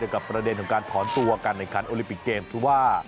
กับประเด็นของการถอนตัวการแข่งขันโอลิมปิกเกมที่ว่า